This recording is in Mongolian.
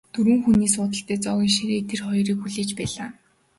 Дөрвөн хүний суудалтай зоогийн ширээ тэр хоёрыг хүлээж байлаа.